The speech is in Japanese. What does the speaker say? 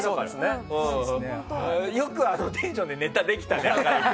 よくあのテンションでネタできたね。